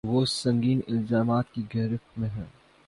وہ سنگین الزامات کی گرفت میں ہیں۔